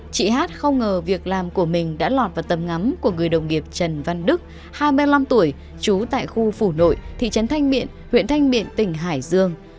chị hát không ngờ việc làm của mình đã lọt vào tầm ngắm của người đồng nghiệp trần văn đức hai mươi năm tuổi trú tại khu phủ nội thị trấn thanh miện huyện thanh miện tỉnh hải dương